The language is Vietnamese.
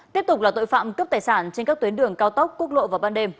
tiếp tục là tội phạm cướp tài sản trên các tuyến đường cao tốc quốc lộ vào ban đêm